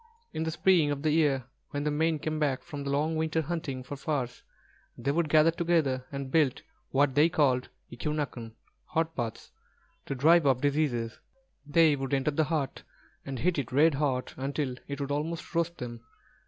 In the spring of the year when the men came back from their long winter hunting for furs, they would gather together and build what they called eqū'nāk'n, hot baths, to drive off their diseases. They would enter the hut, and heat it red hot until it would almost roast them.